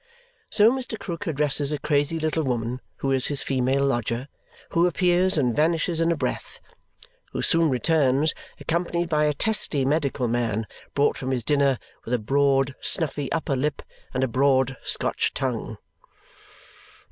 So Mr. Krook addresses a crazy little woman who is his female lodger, who appears and vanishes in a breath, who soon returns accompanied by a testy medical man brought from his dinner, with a broad, snuffy upper lip and a broad Scotch tongue.